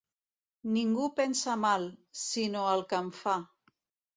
Ningú pensa mal, sinó el que en fa.